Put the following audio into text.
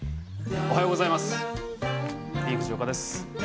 おはようございます。